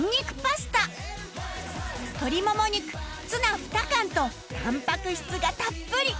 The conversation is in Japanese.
鶏むね肉ツナ２缶とタンパク質がたっぷり